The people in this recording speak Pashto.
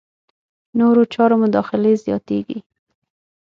نورو چارو مداخلې زیاتېږي.